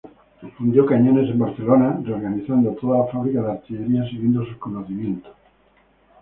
Fundió cañones en Barcelona, reorganizando toda la Fábrica de Artillería siguiendo sus conocimientos.